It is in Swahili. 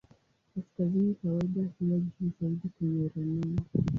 Kaskazini kawaida huwa juu zaidi kwenye ramani.